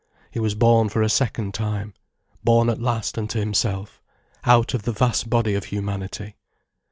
He was born for a second time, born at last unto himself, out of the vast body of humanity.